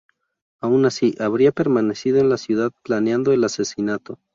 Aun así, habría permanecido en la ciudad planeando el asesinato.